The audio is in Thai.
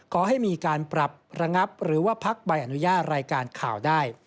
ขอให้มีการปรับระงับหรือว่าพักใบอนุญาตรายการข่าวได้